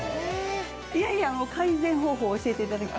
いやいや、もう改善方法を教えていただきたい。